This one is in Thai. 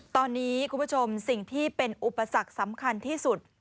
ตอนนี้คุณผู้ชมสิ่งที่เป็นอุปสรรคสำคัญที่สุด